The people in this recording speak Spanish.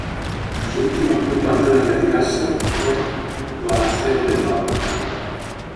Su último club antes de retirarse fue Gualaceo de Ecuador.